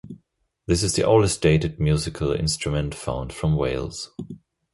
This is the oldest dated musical instrument found from Wales.